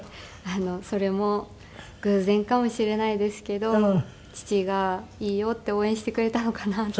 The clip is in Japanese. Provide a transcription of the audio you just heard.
それも偶然かもしれないですけど父がいいよって応援してくれたのかなって。